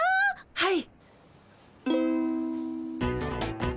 はい。